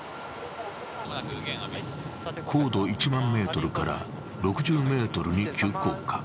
高度１万メートルから６０ｍに急降下。